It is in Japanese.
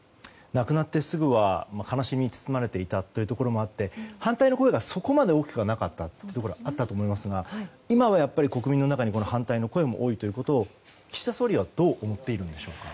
亡くなってすぐは悲しみに包まれていたということもあって反対の声がそこまで大きくはなかったところがあったと思いますが今は、国民の中に反対の声も多いということを、岸田総理はどう思っているんでしょうか。